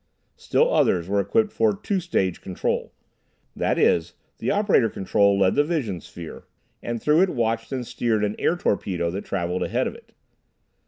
Still others were equipped for two stage control. That is, the operator control led the vision sphere, and through it watched and steered an air torpedo that travelled ahead of it.